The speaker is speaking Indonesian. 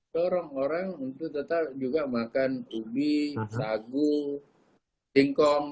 dorong orang untuk tetap juga makan ubi sagu singkong